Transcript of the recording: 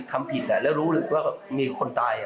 ควกี่ทำผิดแล้วรู้รึกว่ามีคนตายอ่ะ